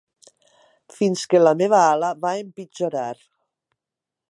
Fins que la meva ala va empitjorar.